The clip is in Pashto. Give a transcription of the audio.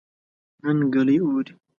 نن ګلۍ اوري